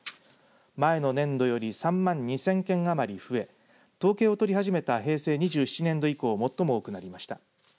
前の年度より３万２０００件余り増え統計を取り始めた平成２７年度以降最も多くなりました。